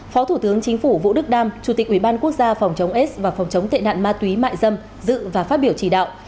phó thủ tướng chính phủ vũ đức đam chủ tịch ủy ban quốc gia phòng chống s và phòng chống tệ nạn ma túy mại dâm dự và phát biểu chỉ đạo